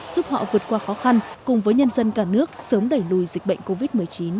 giúp họ vượt qua khó khăn cùng với nhân dân cả nước sớm đẩy lùi dịch bệnh covid một mươi chín